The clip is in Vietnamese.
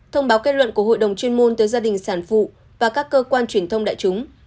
thông báo kết luận của hội đồng chuyên môn tới gia đình sản phụ và các cơ quan truyền thông đại chúng